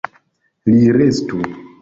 Li restu.